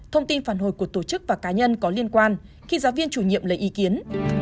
thông tin phản hồi của tổ chức và cá nhân có liên quan khi giáo viên chủ nhiệm lấy ý kiến